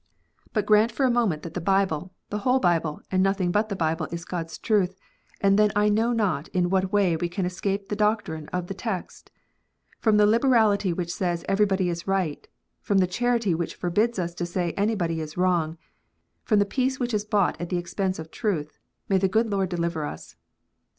But grant for a ONLY ONE WAY OF SALVATION. 41 moment that the Bible, the whole Bible, and nothing but the Bible is God s truth, and then I know not in what way we can escape the doctrine of the text. From the liberality which says everybody is right, from the charity which forbids us to say anybody is wrong, from the peace which is bought at the expense of truth, may the good Lord deliver us !